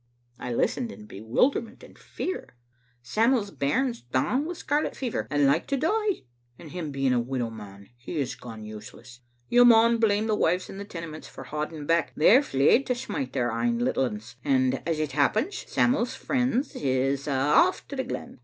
" I listened in bewilderment and fear. "Sam'l's bairn's down wi' scarlet fever and like to die, and him being a widow man he has gone useless. You mauna blame the wives in the Tenements for handing back. They're fleid to smit their ain litlins; and as it happens, Sam'l's friends is a' aflE to the glen.